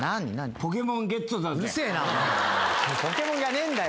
ポケモンじゃねえんだよ俺は。